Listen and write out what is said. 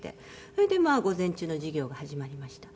それでまあ午前中の授業が始まりました。